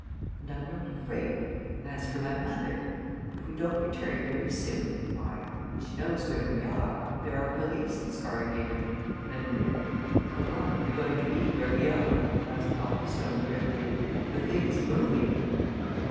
And I'm not afraid and as for my mother, if we don't return very soon, why, she knows where we are and there are police in Scarhaven, and " "How long are we going to be where we are?" asked Copplestone, grimly. "The thing's moving!"